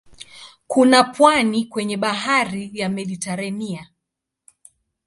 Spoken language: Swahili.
Kuna pwani kwenye bahari ya Mediteranea.